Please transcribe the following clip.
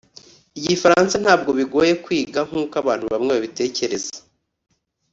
igifaransa ntabwo bigoye kwiga nkuko abantu bamwe babitekereza